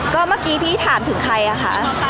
ก็เมื่อกี้พี่ถามถึงใครอะคะ